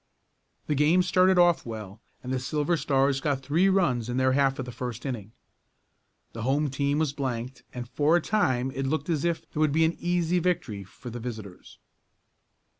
The game started off well, and the Silver Stars got three runs in their half of the first inning. The home team was blanked and for a time it looked as if there would be an easy victory for the visitors.